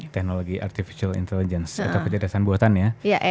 teknologi artificial intelligence atau pencerdasan buatan ya